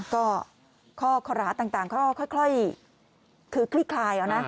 ก็ข้อคล้อต่างค่อยคือคลิกคลายแล้วนะ